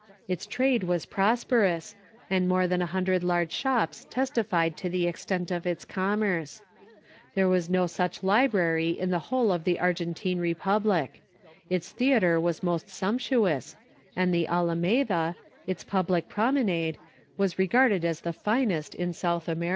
Its trade was prosperous, and more than a hundred large shops testified to the extent of its commerce. There was no such library in the whole of the Argentine Republic. Its theatre was most sumptuous, and the Alameda, its public promenade was regarded as the finest in South America.